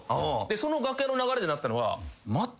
その楽屋の流れでなったのが。